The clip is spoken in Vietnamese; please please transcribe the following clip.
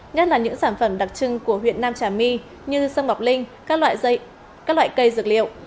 nhất là những sản phẩm đặc trưng của huyện nam trà my như sông ngọc linh các loại cây dược liệu